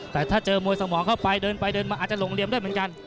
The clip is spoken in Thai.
แต่ถ้าเจอมวยสมองเข้าไปเดินไปเดินมาอาจจะหลงเหลี่ยมได้เหมือนกัน